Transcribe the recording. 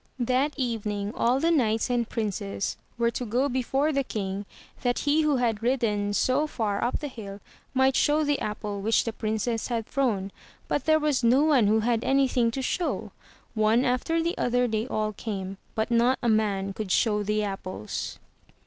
That evening all th^pKIglTts)and princes were to go before the king that he who THROUGH FAIRY HALLS had ridden so far up the hill might show the apple which the princess had thrown, but there was no one who had anything to show. One after the other they all came, but not a man could show the apples.